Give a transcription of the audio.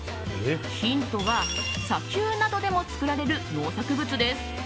ヒントは、砂丘などでも作られる農作物です。